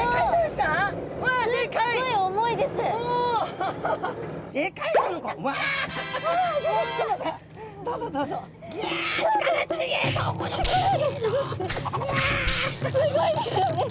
すごいですよね。